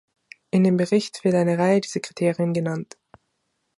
In dem Bericht wird eine Reihe dieser Kriterien genannt.